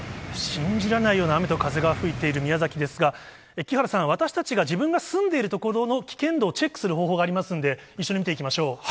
信じられないような雨と風が吹いている宮崎ですが、木原さん、私たちが自分が住んでいる所のお危険度をチェックする方法がありますんで、一緒に見ていきましょう。